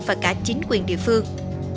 và cả chính quyền địa phương